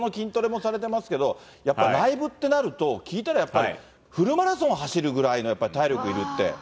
日頃の筋トレもされてますけど、やっぱライブってなると、聞いたらやっぱり、フルマラソンを走るくらいの、やっぱり体力いるって。